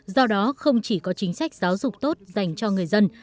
do đó không chỉ có chính sách giáo dục tốt dành cho người dân